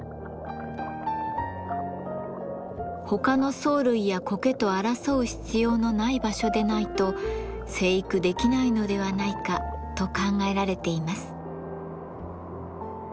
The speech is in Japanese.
ほかの藻類やコケと争う必要のない場所でないと生育できないのではないかと考えられています。